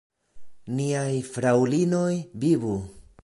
Niaj fraŭlinoj vivu!